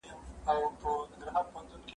زه به مېوې راټولې کړي وي؟!